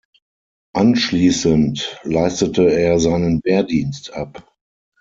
Anschließend leistete er seinen Wehrdienst ab.